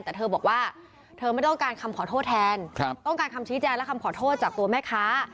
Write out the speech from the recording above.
แต่เธอบอกว่าเธอไม่ต้องการคำขอโทษแทนต้องการคำชี้แจงและคำขอโทษจากตัวแม่ค้า